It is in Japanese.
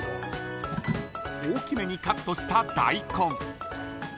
大きめにカットした大根。